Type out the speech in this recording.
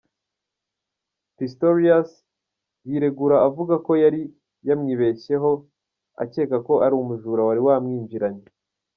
Pistorius yiregura avuga ko yari yamwibeshyeho akeka ko ari umujura wari wamwinjiranye.